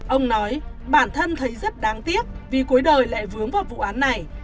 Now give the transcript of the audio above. ông nói bản thân thấy rất đáng tiếc vì cuối đời lại vướng vào vụ án này